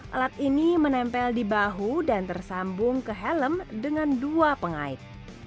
alat ini menempel di bahu dan tersambung ke helm dengan dua pengait